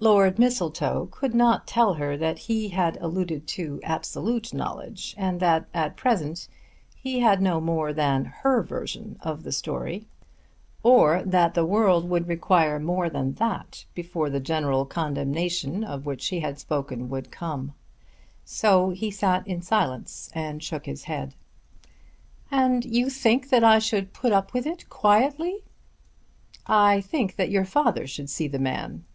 Lord Mistletoe could not tell her that he had alluded to absolute knowledge and that at present he had no more than her version of the story; or that the world would require more than that before the general condemnation of which he had spoken would come. So he sat in silence and shook his head. "And you think that I should put up with it quietly!" "I think that your father should see the man."